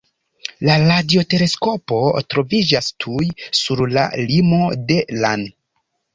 La radioteleskopo troviĝas tuj sur la limo de lan.